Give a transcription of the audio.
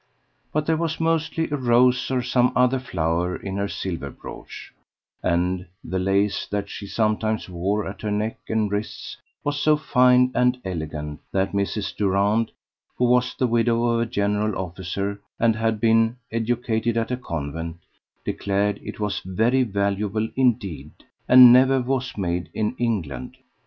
But there was mostly a rose or some other flower in her silver brooch, and the lace that she sometimes wore at her neck and wrists was so fine and elegant that Mrs. Durand, who was the widow of a general officer and had been educated at a convent, declared it was very valuable indeed, and never was made in England.